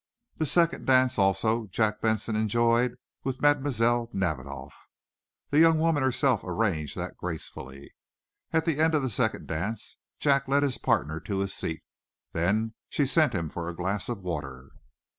The second dance, also, Jack Benson enjoyed with Mlle. Nadiboff. The young woman herself arranged that gracefully. At the end of the second dance Jack led his partner to a seat. Then she sent him for a glass of water.